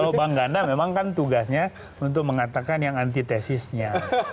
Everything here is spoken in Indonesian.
kalau bang ganda memang kan tugasnya untuk mengatakan yang antitesisnya